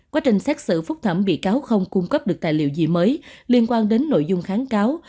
quá trình xét xử phúc thẩm bị cáo không cung cấp được tài liệu gì mới liên quan đến nội dung kháng cáo